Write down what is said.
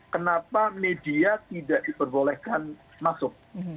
kenapa media tidak diperbolehkan masuk